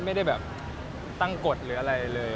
ไม่ได้แบบตั้งกฎหรืออะไรเลย